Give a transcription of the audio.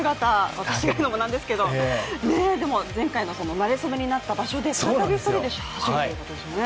私がいうのも何なんですけど前回のなれそめになった場所で再び２人で走るということですよね。